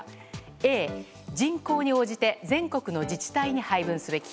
Ａ、人口に応じて全国の自治体に配分すべき。